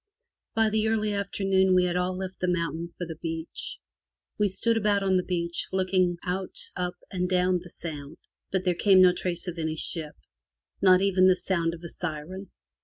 By the early afternoon we had all left the mountain for the beach. We stood about on the beach looking out up and down the Sound, but there came no trace of any ship, not even the sound of a siren.